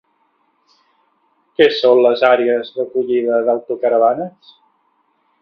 Què són les àrees d'acollida d'autocaravanes?